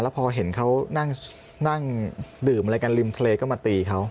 พอเห็นเขานั่งดื่มอะไรกันริมทะเลก็มาตีเขา